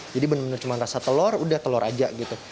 jadi benar benar cuma rasa telur udah telur aja gitu